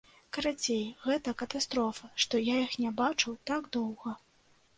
Карацей, гэта катастрофа, што я іх не бачыў так доўга.